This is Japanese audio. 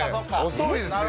遅いですよ！